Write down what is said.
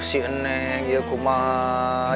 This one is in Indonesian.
si enek ya kumah